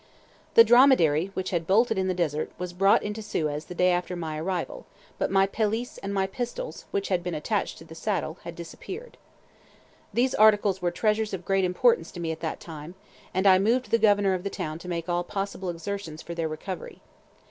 The dromedary, which had bolted in the Desert, was brought into Suez the day after my arrival, but my pelisse and my pistols, which had been attached to the saddle, had disappeared. These articles were treasures of great importance to me at that time, and I moved the Governor of the town to make all possible exertions for their recovery.